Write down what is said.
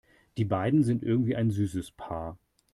Die beiden sind irgendwie ein süßes Paar.